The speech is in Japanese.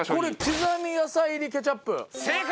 刻み野菜入りケチャップ。